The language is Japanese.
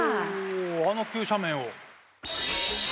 ほあの急斜面を。